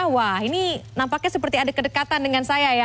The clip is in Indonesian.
wah ini nampaknya seperti ada kedekatan dengan saya ya